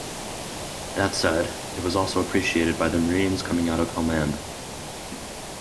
That said, it was also appreciated by the Marines coming out of Helmand.